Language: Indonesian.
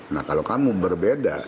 nah kalau kamu berbeda